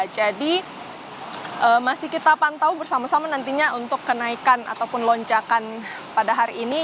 jadi masih kita pantau bersama sama nantinya untuk kenaikan ataupun loncakan pada hari ini